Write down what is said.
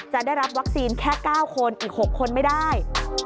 จะได้รับวัคซีนแค่๙คนอีก๖คนไม่ได้